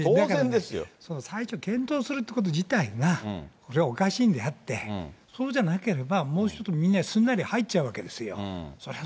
最初検討するということ自体がおかしいんであって、そうじゃなければ、もうちょっとみんなすんなり入っちゃうわけですよ。